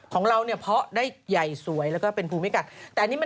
ถ้าธรรมดาก็เป็นร้อยนะคุณผม